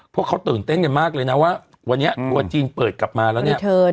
พวกเขาตื่นเต้นกันมากเลยนะว่าวันนี้ทัวร์จีนเปิดกลับมาแล้วเนี่ย